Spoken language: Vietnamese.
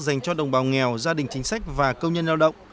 dành cho đồng bào nghèo gia đình chính sách và công nhân lao động